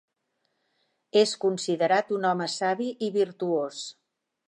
És considerat un home savi i virtuós.